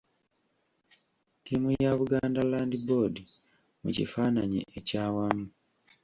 Ttiimu ya Buganda Land Board mu kifaananyi ekyawamu.